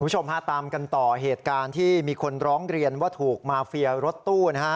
คุณผู้ชมฮะตามกันต่อเหตุการณ์ที่มีคนร้องเรียนว่าถูกมาเฟียรถตู้นะฮะ